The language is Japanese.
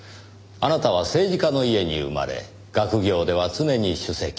あなたは政治家の家に生まれ学業では常に首席。